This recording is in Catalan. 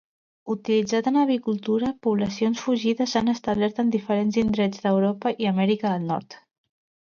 Utilitzat en avicultura, poblacions fugides s'han establert en diferents indrets d'Europa i Amèrica del Nord.